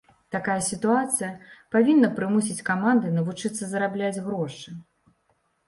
Такая сітуацыя павінна прымусіць каманды навучыцца зарабляць грошы.